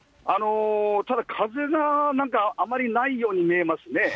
ただ風が、なんかあまりないように見えますね。